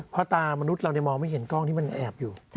เพราะตามนุษย์เรามองไม่เห็นกล้องที่มันแอบอยู่